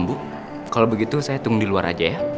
bu kalau begitu saya hitung di luar aja ya